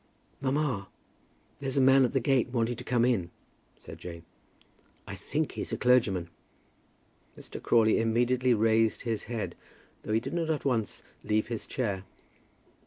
"Mamma, there's a man at the gate wanting to come in," said Jane. "I think he's a clergyman." Mr. Crawley immediately raised his head, though he did not at once leave his chair.